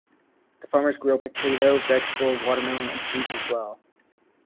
The farmers grow potato, vegetable, water-melon and fruits, as well.